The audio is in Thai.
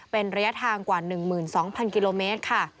เป็นระยะทางกว่า๑๒๐๐กิโลเมตรค่ะ